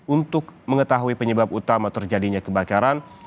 untuk mengetahui penyebab utama terjadinya kebakaran